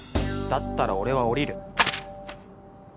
だったら俺は降りる。